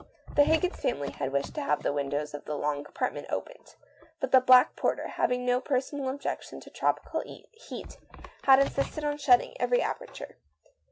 The Higgins family had wished to have the win dows of the long compartment opened, but the black porter, having no personal objection to tropical heat, Had insisted on shutting every aperture.